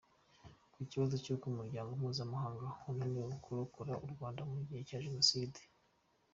Ku kibazo cy’uko Umuryango mpuzamahanga wananiwe kurokora u Rwanda mu gihe cya jenoside.